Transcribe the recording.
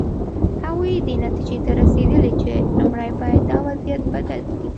هغوی دې نتیجې ته رسېدلي چې لومړی باید دا وضعیت بدل کړي.